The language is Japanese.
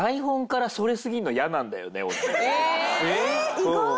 意外！